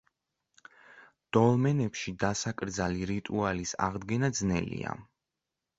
დოლმენებში დასაკრძალი რიტუალის აღდგენა ძნელია.